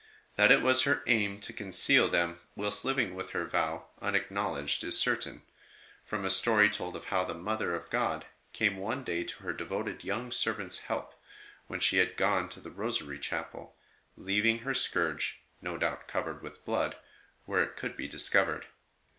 That it was her aim to conceal them whilst living with her vow unacknowledged is certain, from a story told of how the Mother of God came one day to her devoted young servant s help, when she had gone to the Rosary Chapel, leaving her scourge (no doubt covered with blood) where it could be discovered.